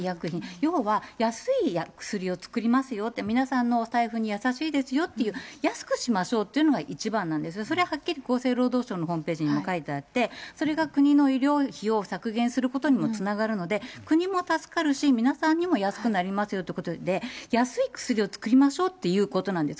要は、安い薬を作りますよ、皆さんのお財布に優しいですよっていう、安くしましょうというのが一番なんです、それははっきり厚生労働省のホームページにも書いてあって、それが国の医療費を削減することにもつながるので、国も助かるし、皆さんにも安くなりますよということで、安い薬を作りましょうということなんです。